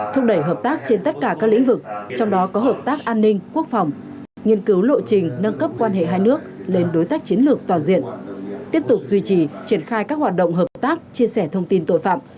thúc đẩy hợp tác trên tất cả các lĩnh vực trong đó có hợp tác an ninh quốc phòng nghiên cứu lộ trình nâng cấp quan hệ hai nước lên đối tác chiến lược toàn diện tiếp tục duy trì triển khai các hoạt động hợp tác chia sẻ thông tin tội phạm